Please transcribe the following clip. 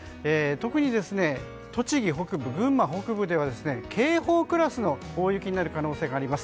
特に栃木北部、群馬北部では警報クラスの大雪になる可能性があります。